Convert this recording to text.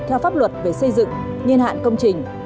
theo pháp luật về xây dựng nhiên hạn công trình